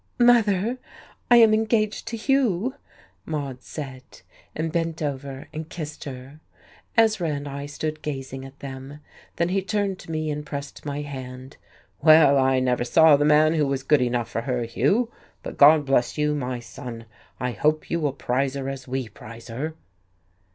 "Mother, I am engaged to Hugh," Maude said, and bent over and kissed her. Ezra and I stood gazing at them. Then he turned to me and pressed my hand. "Well, I never saw the man who was good enough for her, Hugh. But God bless you, my son. I hope you will prize her as we prize her."